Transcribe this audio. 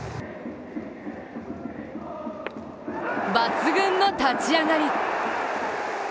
抜群の立ち上がり。